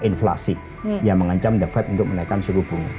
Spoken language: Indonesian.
inflasi yang mengancam dapat untuk menaikkan suruh bunga